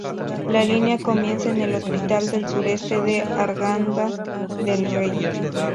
La línea comienza en el Hospital del Sureste de Arganda del Rey.